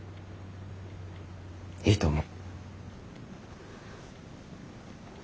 いいと思う。